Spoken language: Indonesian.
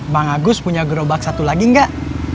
mang agus punya gerobak satu lagi enggak